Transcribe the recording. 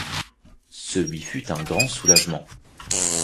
Ce lui fut un grand soulagement.